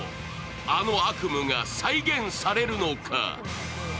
あの悪夢が再現されるのか。